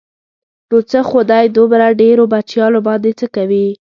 نو څه خو دوی دومره ډېرو بچیانو باندې څه کوي.